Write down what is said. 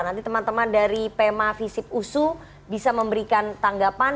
nanti teman teman dari pema visip usu bisa memberikan tanggapan